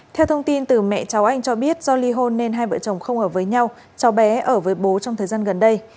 theo thông tin từ mẹ cháu anh cho biết do ly hôn nên hai vợ chồng không hợp với nhau cháu bé ở với bố trong thời gian gần đây